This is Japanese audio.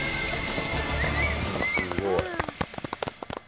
すごい。